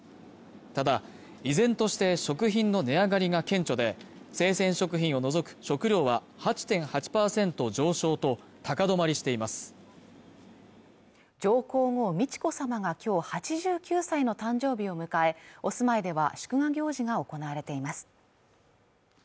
ただ依然として食品の値上がりが顕著で生鮮食品を除く食料は８．８％上昇と高止まりしています上皇后・美智子さまが今日８９歳の誕生日を迎え、お住まいでは祝賀行事が行われています